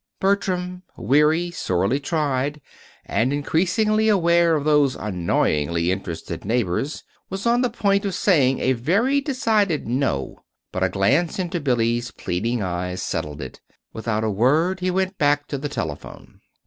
Bertram, weary, sorely tried, and increasingly aware of those annoyingly interested neighbors, was on the point of saying a very decided no; but a glance into Billy's pleading eyes settled it. Without a word he went back to the telephone.